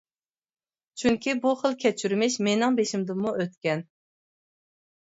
چۈنكى بۇ خىل كەچۈرمىش مېنىڭ بېشىمدىنمۇ ئۆتكەن.